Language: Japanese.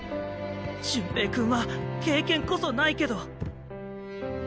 潤平君は経験こそないけど。